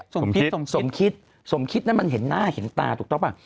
สมคิดสมคิดสมคิดนั้นมันเห็นหน้าเห็นตาถูกต้องป่ะ